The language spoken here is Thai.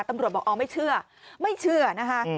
ตำรวจบอกอ๋อไม่เชื่อไม่เชื่อนะคะ